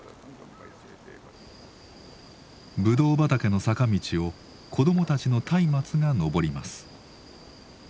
ぶどう畑の坂道を子供たちの松明が上ります。